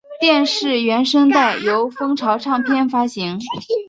电视原声带由风潮唱片发行。